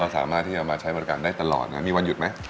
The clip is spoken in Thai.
สามารถที่จะมาใช้บริการได้ตลอดนะมีวันหยุดไหม